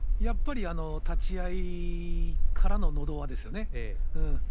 やっぱり立ち合いからののど輪ですよね。